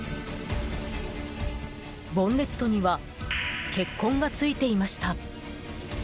ボンネットには血痕がついていました。